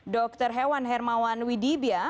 dr hewan hermawan widibia